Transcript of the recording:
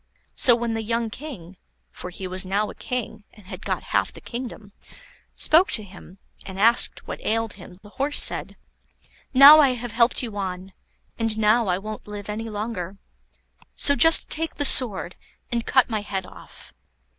So when the young King for he was now a king, and had got half the kingdom spoke to him, and asked what ailed him, the Horse said: "Now I have helped you on, and now I won't live any longer. So just take the sword, and cut my head off."